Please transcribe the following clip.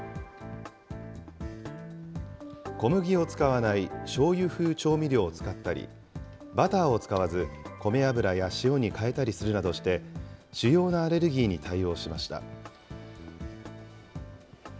小麦を使わないしょうゆ風調味料を使ったり、バターを使わず、こめ油や塩に変えたりするなどして、主要なアレルギーに対応しました。